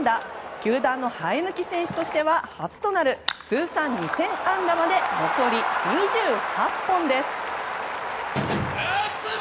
球団の生え抜き選手としては初となる通算２０００安打まで残り２８本です。